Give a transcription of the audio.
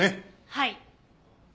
はい。